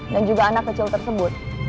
dan juga anak kecil tersebut